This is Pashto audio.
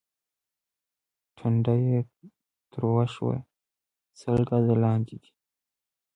ټنډه يې تروه شوه: سل ګزه لاندې دي.